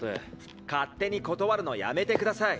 勝手に断るのやめてください。